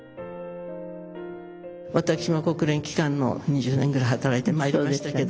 私も国連機関の２０年ぐらい働いてまいりましたけど。